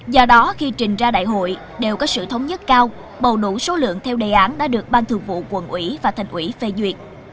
do đó khi trình ra đại hội đều có sự thống nhất cao bầu đủ số lượng theo đề án đã được ban thường vụ quận ủy và thành ủy phê duyệt